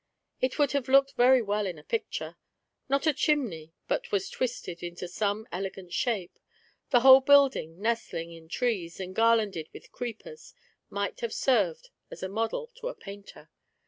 It would have looked very well in a picture; not a chimney but was twisted into some elegant shape; the whcde building, nestling in trees and garlanded with creepers, might have served as a model to a painter.